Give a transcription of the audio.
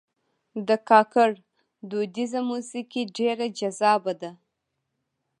د کاکړ دودیزه موسیقي ډېر جذابه ده.